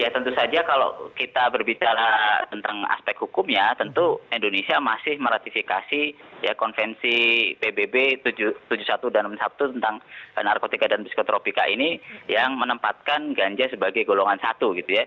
ya tentu saja kalau kita berbicara tentang aspek hukumnya tentu indonesia masih meratifikasi konvensi pbb tujuh puluh satu dan enam puluh satu tentang narkotika dan psikotropika ini yang menempatkan ganja sebagai golongan satu gitu ya